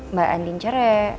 mbak andin cerai